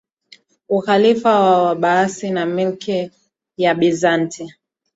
ukhalifa wa Waabbasi na Milki ya Bizanti